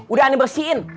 udah ana bersihin